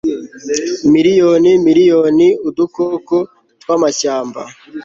miliyoni miriyoni udukoko twamashyamba